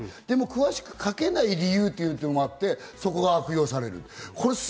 詳しく書けない理由というのもあって、そこが悪用される。